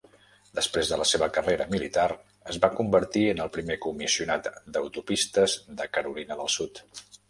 Després de la seva carrera militar, es va convertir en el primer Comissionat d'Autopistes de Carolina del Sud.